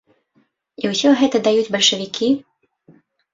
І ўсё гэта даюць бальшавікі?